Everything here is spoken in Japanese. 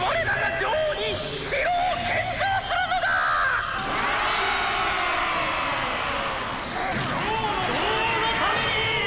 女王のために！」。